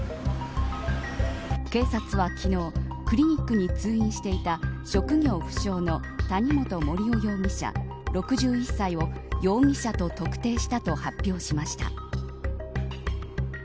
警察は昨日クリニックに通院していた職業不詳の谷本盛雄容疑者６１歳を容疑者と特定したと発表しました。